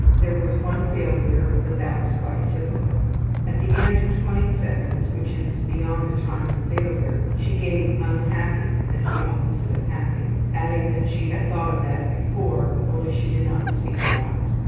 There was one failure, but that was quite typical. At the end of 20'', which is beyond the time of failure, she gave ``unhappy'' as the opposite of ``happy,'' adding that she had thought of that before, only she did not speak it out.